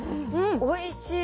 おいしい。